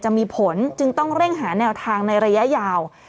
จะมีผลจึงต้องเร่งหาแนวทางในระยะยาว